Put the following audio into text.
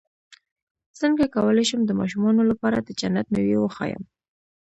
څنګه کولی شم د ماشومانو لپاره د جنت مېوې وښایم